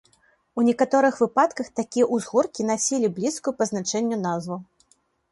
У некаторых выпадках такія ўзгоркі насілі блізкую па значэнню назву.